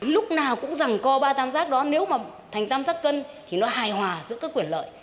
lúc nào cũng rằng co ba tam giác đó nếu mà thành tam giác cân thì nó hài hòa giữa các quyền lợi